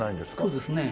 そうですね。